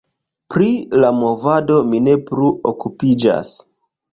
Pri la movado mi ne plu okupiĝas.